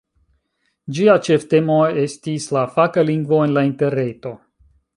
Ĝia ĉeftemo estis "La faka lingvo en la interreto".